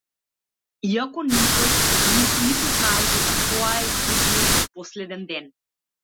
Иако никој од нив ниту знаел дека тоа е судниот и последен ден.